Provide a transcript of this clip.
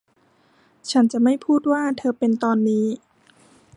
ฉันจะไม่พูดว่าเธอเป็น ตอนนี้